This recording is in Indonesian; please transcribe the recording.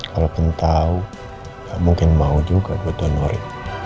kalau mau tau gak mungkin mau juga buat donori